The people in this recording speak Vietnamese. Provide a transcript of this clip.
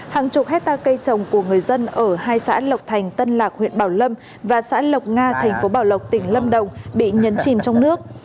hàng chục hectare cây trồng của người dân ở hai xã lộc thành tân lạc huyện bảo lâm và xã lộc nga thành phố bảo lộc tỉnh lâm đồng bị nhấn chìm trong nước